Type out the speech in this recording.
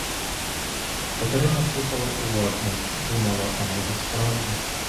Катерина слухала уважно й думала — а може, справді?